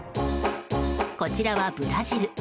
こちらはブラジル。